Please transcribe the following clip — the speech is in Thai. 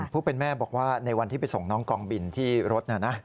ผู้เป็นแม่บอกว่าในวันที่ไปส่งน้องกองบินที่รถ